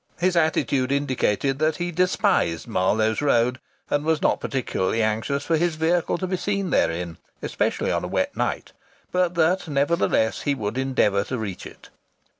His attitude indicated that he despised Marloes Road and was not particularly anxious for his vehicle to be seen therein especially on a wet night but that nevertheless he would endeavour to reach it.